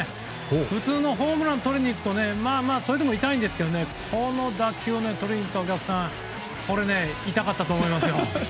普通のホームランをとりにいくとそれでも痛いんですがこの打球をとりにいったお客さんこれは痛かったと思いますよ。